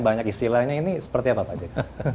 banyak istilahnya ini seperti apa pak jk